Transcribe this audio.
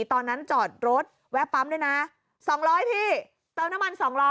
ตอนนั้นจอดรถแวะปั๊มด้วยนะ๒๐๐พี่เติมน้ำมัน๒๐๐